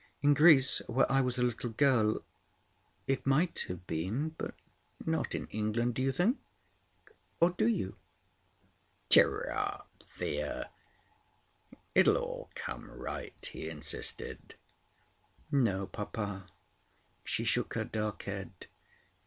In Greece, where I was a little girl, it might have been; but not in England, do you think? Or do you?" "Cheer up, Thea. It will all come right," he insisted. "No, papa." She shook her dark head.